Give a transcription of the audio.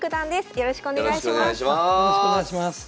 よろしくお願いします。